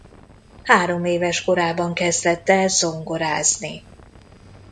Hároméves korában kezdett el zongorázni.